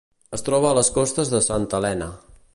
Es troba a les costes de Santa Helena.